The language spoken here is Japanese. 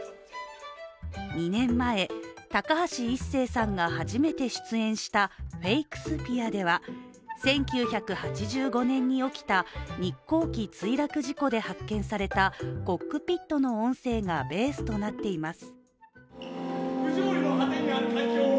２年前、高橋一生さんが初めて出演した「フェイクスピア」では１９８５年に起きた日航機墜落事故で発見されたコックピットの音声がベースとなっています。